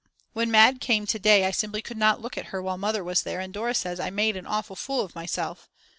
When Mad. came to day I simply could not look at her while Mother was there and Dora says I made an awful fool of myself.